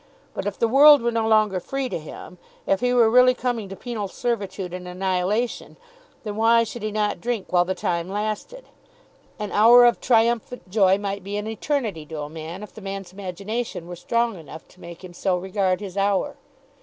But if the world were no longer free to him, if he were really coming to penal servitude and annihilation, then why should he not drink while the time lasted? An hour of triumphant joy might be an eternity to a man, if the man's imagination were strong enough to make him so regard his hour.